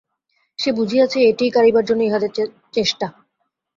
সে বুঝিয়াছে এইটিই কাড়িবার জন্য ইহাদের চেষ্টা!